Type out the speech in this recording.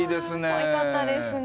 かわいかったですね。